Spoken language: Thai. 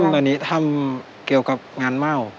ตอนนี้ทำเกี่ยวกับงานเม่า